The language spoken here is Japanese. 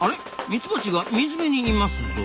ミツバチが水辺にいますぞ。